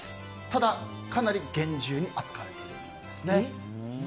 ただ、かなり厳重に扱われているものですね。